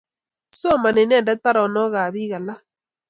Somani inendet paronok ap piik alak.